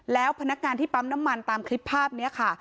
แล้วพนักงานที่ปั๊มน้ำมันตามคลิปภาพนี้ค่ะ